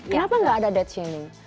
kenapa tidak ada death shaming